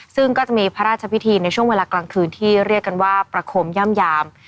ซึ่งก็จะมีพระราชพิธีในช่วงเวลากลางคืนที่เรียกกันว่าประคมย่ำยาม